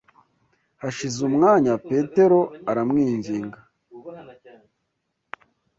Hashize umwanya petero aramwinginga